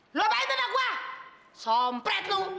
hei lo ngapain dengan gua sompret lo